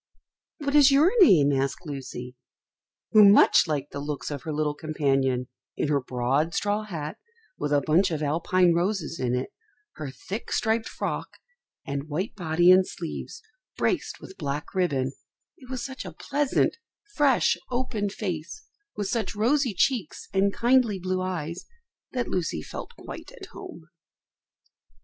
"What is your name?" asked Lucy, who much liked the looks of her little companion in her broad straw hat, with a bunch of Alpine roses in it, her thick striped frock, and white body and sleeves, braced with black ribbon; it was such a pleasant, fresh, open face, with such rosy cheeks and kindly blue eyes, that Lucy felt quite at home.